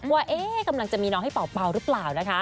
ว่ากำลังจะมีน้องให้เป่ารึเปล่า